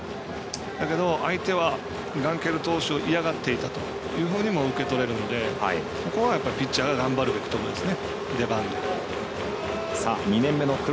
だけど、相手はガンケル投手を嫌がっていたというふうにも受け取れるのでここはピッチャーが頑張るべきときですね。